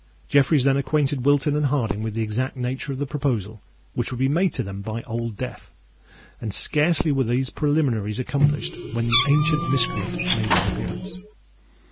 Jeffreys then acquainted Wilton and Harding with the exact nature of the proposal which would be made to them by Old Death; and scarcely were these preliminaries accomplished when the ancient miscreant made his appearance.